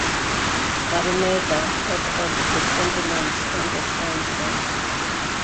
Araneda echoed the sentiments on "The Sky Is Red".